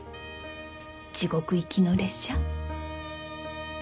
地獄行きの列車。